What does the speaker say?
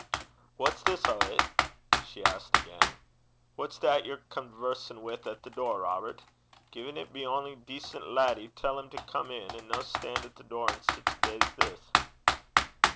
'What's this o' 't?' she asked again. 'Wha's that ye're conversin' wi' at the door, Robert? Gin it be ony decent laddie, tell him to come in, and no stan' at the door in sic a day 's this.'